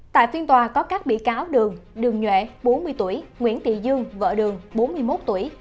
tại phiên tòa có các bị cáo đường đường nhuệ bốn mươi tuổi nguyễn tị dương vợ đường bốn mươi một tuổi